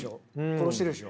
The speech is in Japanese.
殺してるでしょ？